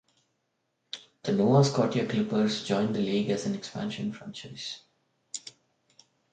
The Nova Scotia Clippers joined the league as an expansion franchise.